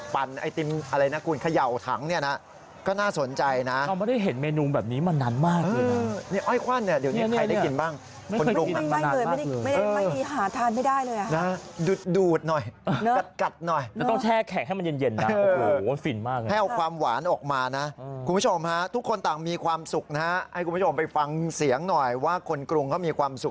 บรรยากาศเห็นพี่น้องชาวกรุงเทพมันละครมีความสุข